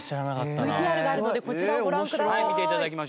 ＶＴＲがあるのでこちらをご覧ください。